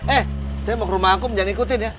eh saya mau ke rumah aku jangan ngikutin ya